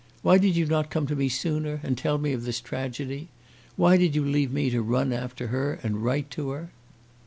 Why did you not come to me sooner, and tell me of this tragedy? Why did you leave me to run after her and write to her?"